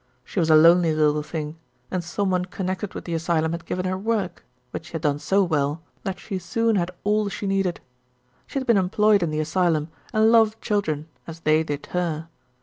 She was a lonely little thing, and some one connected with the asylum had given her work, which she had done so well that she soon had all she needed. She had been employed in the asylum, and loved children as they did her.